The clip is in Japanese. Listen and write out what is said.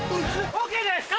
ＯＫっすか？